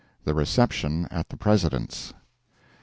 THE RECEPTION AT THE PRESIDENT'S.